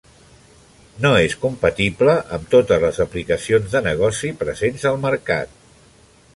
No és compatible amb totes les aplicacions de negoci presents al mercat.